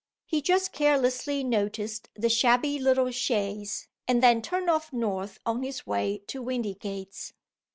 He just carelessly noticed the shabby little chaise, and then turned off north on his way to Windygates.